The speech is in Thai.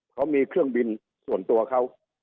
เขามีเครื่องบินส่วนตัวเขา